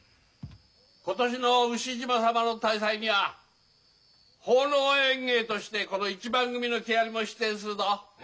今年の牛嶋さまの大祭には奉納演芸としてこの一番組の木遣りも出演するぞ。